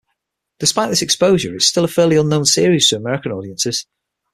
Despite this exposure, it is still a fairly unknown series to American audiences.